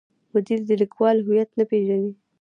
مدیر د لیکوال هویت نه پیژني.